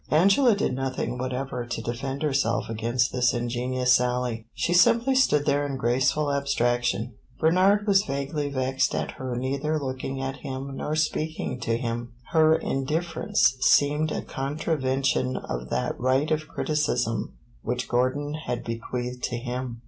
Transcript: Angela did nothing whatever to defend herself against this ingenious sally; she simply stood there in graceful abstraction. Bernard was vaguely vexed at her neither looking at him nor speaking to him; her indifference seemed a contravention of that right of criticism which Gordon had bequeathed to him.